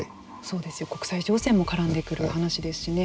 国際情勢も絡んでくる話ですしね。